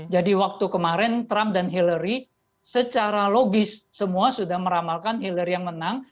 jadi waktu kemarin trump dan hillary secara logis semua sudah meramalkan hillary yang menang